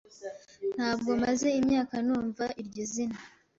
Ntabwo maze imyaka numva iryo zina.